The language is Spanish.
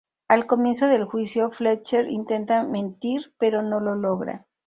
Al comienzo del juicio, Fletcher intenta mentir pero no lo logra.